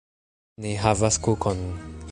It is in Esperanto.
Ni havas kukon!